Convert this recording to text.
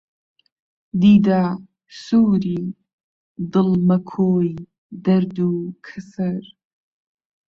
دیدە سووری، دڵ مەکۆی دەرد و کەسەر